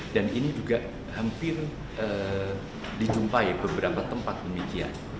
dan ini juga hampir dijumpai beberapa tempat demikian